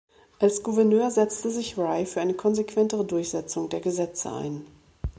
Als Gouverneur setzte sich Rye für eine konsequentere Durchsetzung der Gesetze ein.